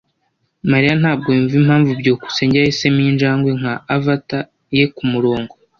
Mariya ntabwo yumva impamvu byukusenge yahisemo injangwe nka avatar ye kumurongo.